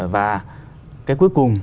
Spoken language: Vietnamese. và cái cuối cùng